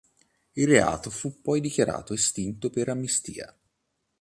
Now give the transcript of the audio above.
Il reato fu poi dichiarato estinto per amnistia.